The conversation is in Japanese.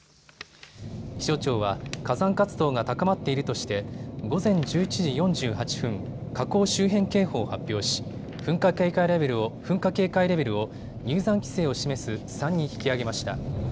気象庁は火山活動が高まっているとして午前１１時４８分、火口周辺警報を発表し噴火警戒レベルを入山規制を示す３に引き上げました。